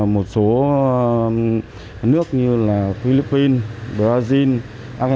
một số nước như là philippines brazil argentina nga ukraine